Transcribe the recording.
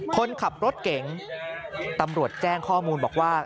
คนขับรถเก๋งตำรวจแจ้งข้อมูลบอกว่า